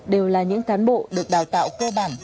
đều là những cán bộ được đào tạo cơ bản